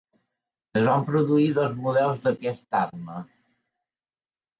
Es van produir dos models d'aquesta arma.